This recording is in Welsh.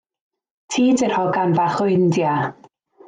Ti 'di'r hogan fach o India?